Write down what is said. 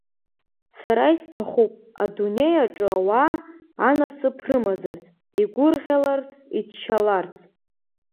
Сара исҭахуп, адунеиаҿы ауаа, анасыԥ рымазарц, игәырӷьаларц, иччаларц.